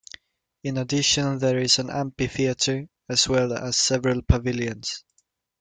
In addition, there is an amphitheater as well as several pavilions.